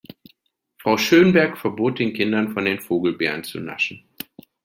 Frau Schönberg verbot den Kindern, von den Vogelbeeren zu naschen.